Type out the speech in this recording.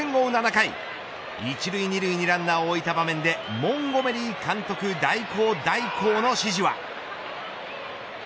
７回１塁２塁にランナーを置いた場面でモンゴメリー監督代行代行の指示は。